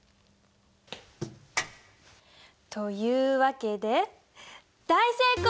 というわけで大成功！